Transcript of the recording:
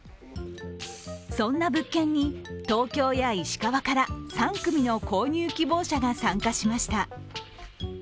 そんな物件に東京や石川から３組の購入希望者が参加しました。